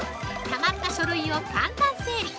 たまった書類を簡単整理！